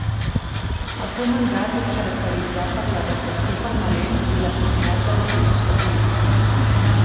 El seu mandat es caracteritzà per la repressió permanent i l'assassinat de l'oposició política.